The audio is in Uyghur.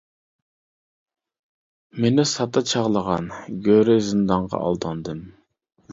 مېنى ساددا چاغلىغان، گۆرى زىندانغا ئالداندىم.